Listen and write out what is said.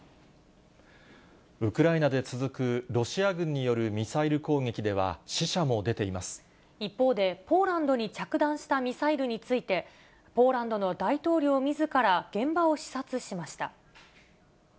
ウクライナで続くロシア軍によるミサイル攻撃では、死者も出一方で、ポーランドに着弾したミサイルについて、ポーランドの大統領みずから現場を視察しました。